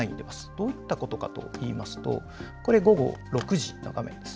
どういったことかといいますとこれは午後６時の画面です。